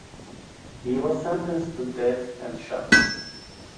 He was sentenced to death and shot.